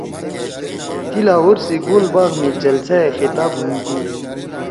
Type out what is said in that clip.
تی لاہور سی گول باغ می جلسہ ئے خطاب ہُم کی